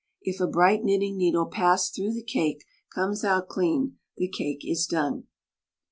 If a bright knitting needle passed through the cake comes out clean, the cake is done.